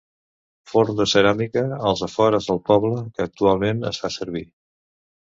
Forn de ceràmica als afores del poble que actualment es fa servir.